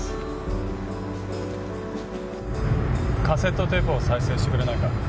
カセットテープを再生してくれないか。